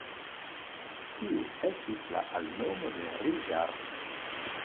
Kiu estis la alnomo de Rigar?